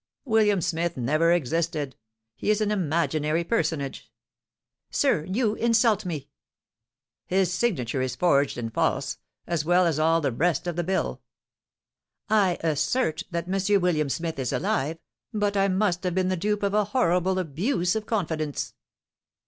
"William Smith never existed, he is an imaginary personage." "Sir, you insult me!" "His signature is forged and false, as well as all the rest of the bill." "I assert that M. William Smith is alive; but I must have been the dupe of a horrible abuse of confidence."